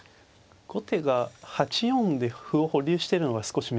後手が８四で歩を保留してるのが少し珍しい形ですね。